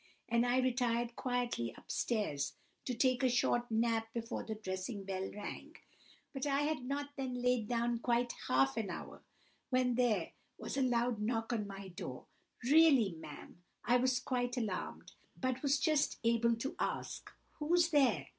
and I retired quietly up stairs to take a short nap before the dressing bell rang. But I had not been laid down quite half an hour, when there was a loud knock at the door. Really, ma'am, I felt quite alarmed, but was just able to ask, 'Who's there?